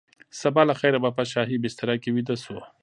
سبا له خیره به په شاهي بستره کې ویده شو.